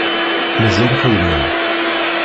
Mazal xeddmen.